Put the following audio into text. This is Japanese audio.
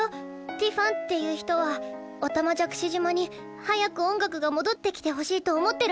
ティファンっていう人はおたまじゃくし島に早く音楽が戻ってきてほしいと思ってるはずだって。